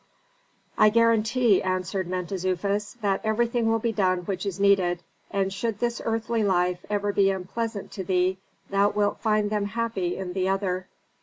"I guarantee," answered Mentezufis, "that everything will be done which is needed, and should this earthly life ever be unpleasant to thee thou wilt find them happy in the other."